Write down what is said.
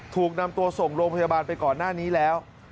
ถูกนำตัวส่งโรงพยาบาลไปก่อนหน้านี้แล้ว